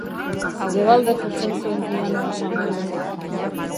Debalde jotzen zuen pianoa Samuelek.